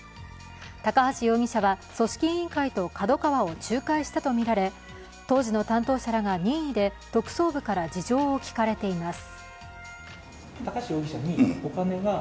高橋容疑者は組織委員会とＫＡＤＯＫＡＷＡを仲介したとみられ当時の担当者らが任意で特捜部から事情を聴かれています。